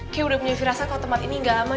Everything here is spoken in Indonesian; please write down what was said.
kay udah punya rasa kalo tempat ini gak aman